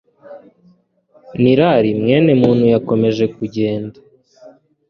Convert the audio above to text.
n’irari, mwene muntu yakomeje kugenda